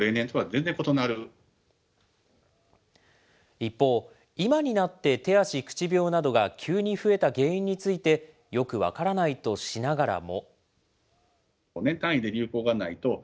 一方、今になって手足口病などが急に増えた原因について、よく分からないとしながらも。